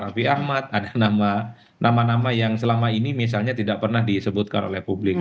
tapi ahmad ada nama nama yang selama ini misalnya tidak pernah disebutkan oleh publik